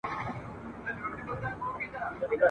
یوه وعده وه په اول کي مي در وسپارله !.